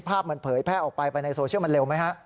ภาพมันเผยแพร่ออกไปไปในโซเชียลมันเร็วไหมฮะ